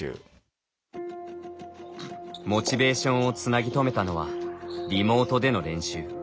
モチベーションをつなぎとめたのはリモートでの練習。